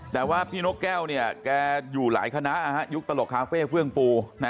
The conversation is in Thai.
แต่ว่าพี่นกแก้วเนี่ยแกอยู่หลายคณะยุคตลกคาเฟ่เฟื่องฟู